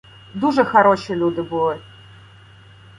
Дуже хароші люди були.